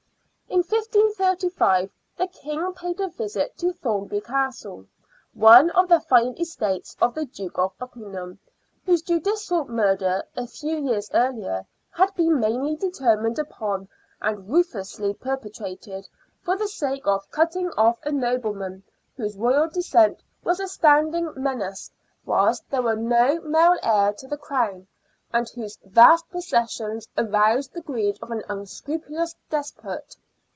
In 1535 the King paid a visit to Thornbury Castle, one of the fine estates of the Duke of Buckingham, whose judicial murder a few years earlier had been mainly determined upon and ruthlessly perpetrated for the sake of cutting off a nobleman whose royal descent was a standing menace whilst there was no male heir to the Crown, and whose vast possessions aroused the greed of an unscrupulous despot.